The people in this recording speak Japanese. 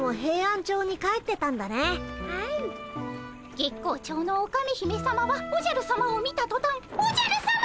月光町のオカメ姫さまはおじゃるさまを見たとたん「おじゃるさま！